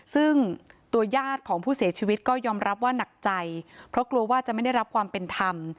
ซึ่งตัวญาติของผู้เสียชีวิตก็ยอมรับว่าหนักใจเพราะกลัวว่าจะไม่ได้รับความเป็นธรรม